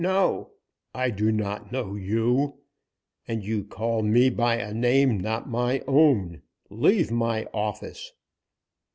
"N no, I do not know you. And you call me by a name not my own. Leave my office."